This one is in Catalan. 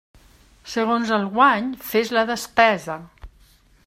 Segons el guany fes la despesa.